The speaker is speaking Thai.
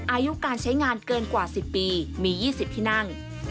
อายุการใช้งานเกินกว่า๑๐ปีมี๒๐ที่นั่ง